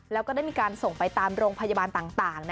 แล้วก็ได้มีการส่งไปตามโรงพยาบาลต่าง